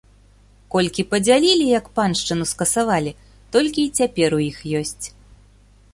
Колькі падзялілі, як паншчыну скасавалі, толькі й цяпер у іх ёсць.